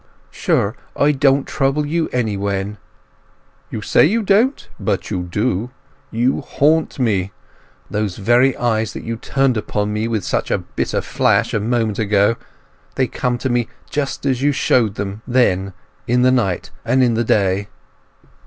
"Sure, I don't trouble you any when!" "You say you don't? But you do! You haunt me. Those very eyes that you turned upon me with such a bitter flash a moment ago, they come to me just as you showed them then, in the night and in the day!